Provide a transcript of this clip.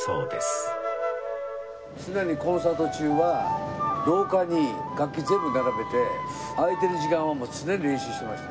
常にコンサート中は廊下に楽器全部並べて空いてる時間はもう常に練習してました。